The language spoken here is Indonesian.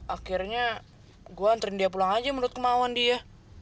akhirnya gue antren dia pulang aja menurut kemauan dia